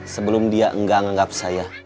sebelum dia enggak anggap saya